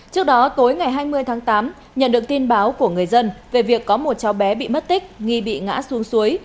trước đó tối ngày hai mươi tháng tám nhận được tin báo của người dân về việc có một cháu bé bị mất tích nghi bị ngã xuống suối